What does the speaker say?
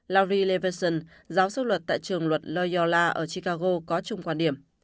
larry levinson giáo sức luật tại trường luật loyola ở chicago có chung quan điểm